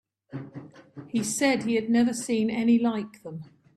He said he had never seen any like them.